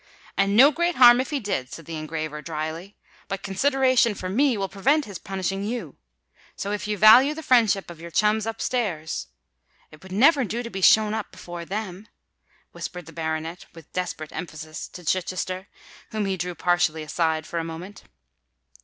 "And no great harm if he did," said the engraver, drily. "But consideration for me will prevent his punishing you. So if you value the friendship of your chums up stairs——" "It would never do to be shown up before them!" whispered the baronet with desperate emphasis to Chichester, whom he drew partially aside for a moment.